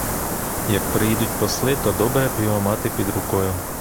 Як приїдуть посли, то добре б його мати під рукою.